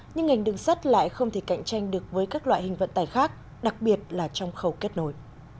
nhưng ngành đường sắt lại không thể cạnh tranh được với các loại hình vận tải khác đặc biệt là trong khẩu kết nối